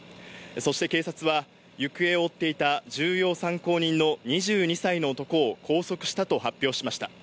そして警察は行方を追っていた重要参考人の２２歳の男を拘束したと発表しました。